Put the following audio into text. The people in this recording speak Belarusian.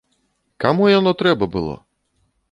Каму яно трэба было?